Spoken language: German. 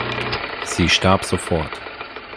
Sie starb sofort.